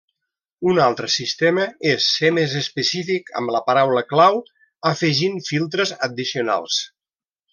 Un altre sistema és ser més específic amb la paraula clau afegint filtres addicionals.